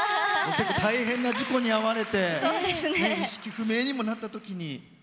大変な事故に遭われて意識不明にもなったときに。